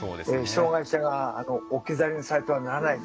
障害者が置き去りにされてはならない。